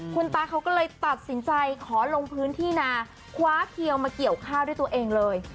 คุณตาเขาก็เลยตัดสินใจขอลงพื้นที่นาคว้าเขียวมาเกี่ยวข้าวด้วยตัวเองเลย